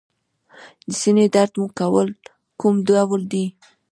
د سینې درد مو کوم ډول دی؟